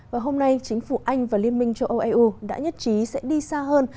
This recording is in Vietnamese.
và hôm nay chính phủ anh và liên minh châu âu eu đã nhất trí sẽ đi xa hơn